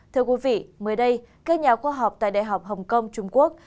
thưa quý vị mới đây các nhà khoa học tại đại học hồng kông trung quốc